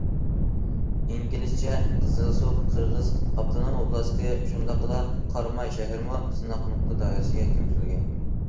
ئىگىلىنىشىچە، قىزىلسۇ قىرغىز ئاپتونوم ئوبلاستى شۇنداقلا قاراماي شەھىرىمۇ سىناق نۇقتا دائىرىسىگە كىرگۈزۈلگەن.